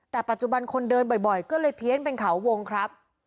แต่ปัจจุบันคนเดินบ่อยก็เลยเพี้ยนเป็นเขาวงครับ